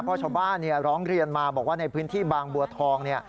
เพราะชาวบ้านร้องเรียนมาบอกว่าในพื้นที่บางบัวทองเนี่ย